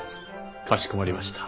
かしこまりました。